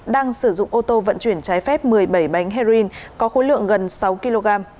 đang sử dụng ô tô vận chuyển trái phép một mươi bảy bánh heroin có khối lượng gần sáu kg